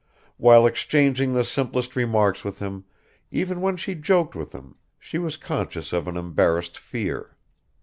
While exchanging the simplest remarks with him, even when she joked with him, she was conscious of an embarrassed fear.